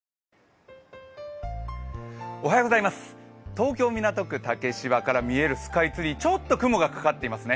東京・港区竹芝から見えるスカイツリー、ちょっと雲がかかっていますね。